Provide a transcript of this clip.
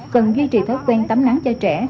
cần duy trì thói quen tắm nắng cho trẻ